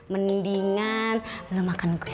mendingan lu makan kue